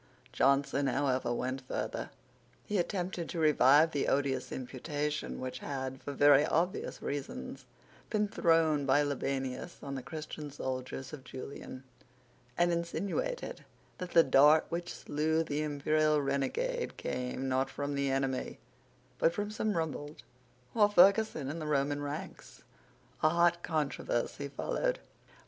Johnson, however, went further. He attempted to revive the odious imputation which had, for very obvious reasons, been thrown by Libanius on the Christian soldiers of Julian, and insinuated that the dart which slew the imperial renegade came, not from the enemy, but from some Rumbold or Ferguson in the Roman ranks. A hot controversy followed.